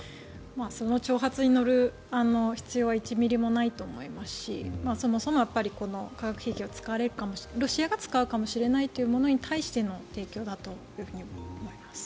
その挑発に乗る必要は１ミリもないと思いますしそもそも化学兵器が使われるかもしれないロシアが使うかもしれないというものに対しての提供だと思います。